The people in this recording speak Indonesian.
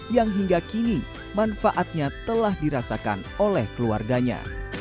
yang hingga kini manfaatnya telah dirasakan oleh keluarganya